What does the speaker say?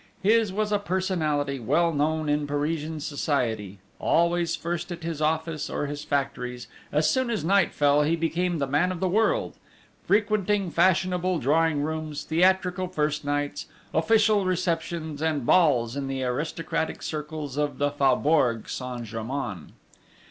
His was a personality well known in Parisian Society; always first at his office or his factories, as soon as night fell he became the man of the world, frequenting fashionable drawing rooms, theatrical first nights, official receptions, and balls in the aristocratic circles of the faubourg Saint Germain.